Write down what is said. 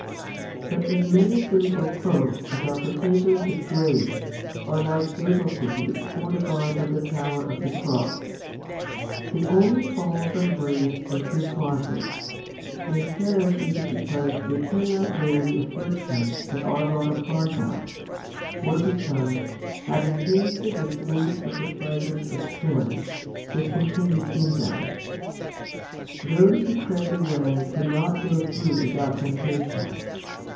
2. But as many simple folk as are partakers of grace are like little cities fortified by the power of the cross. They only fall from grace for two causes, and perish either because they cannot bear the afflictions that are brought upon them, or because, having tasted the sweets of the pleasures of sin, they continued in them. Those who tread the way cannot go through without temptations.